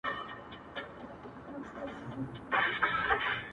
پرون مي دومره اوښكي توى كړې گراني.